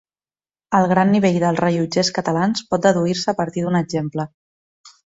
El gran nivell dels rellotgers catalans pot deduir-se a partir d’un exemple.